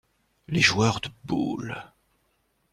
Les joueurs de boules.